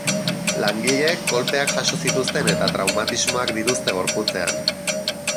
Langileek kolpeak jaso zituzten eta traumatismoak dituzte gorputzean.